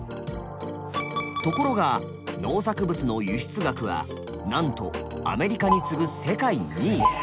ところが農作物の輸出額はなんとアメリカに次ぐ世界２位。